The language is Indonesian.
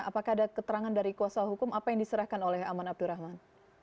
apakah ada keterangan dari kuasa hukum apa yang diserahkan oleh aman abdurrahman